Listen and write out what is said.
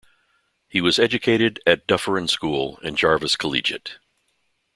He was educated at Dufferin School and Jarvis Collegiate.